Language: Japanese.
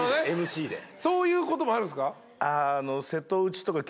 そういうこともあるんですか？